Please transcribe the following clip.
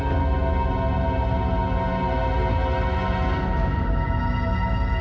mulai ketemu di isi mata